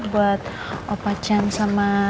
buat opacan sama